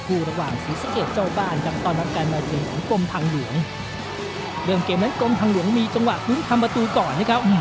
ผู้ระหว่างสีสะเอดเจ้าบ้านกับตอนรับการมาเกมของกลมทางเหลืองเกมนั้นกลมทางเหลืองมีจังหวะคุ้มทำประตูก่อนนะครับ